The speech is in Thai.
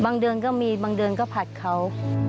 เดือนก็มีบางเดือนก็ผัดเขา